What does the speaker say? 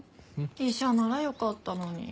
医者ならよかったのに。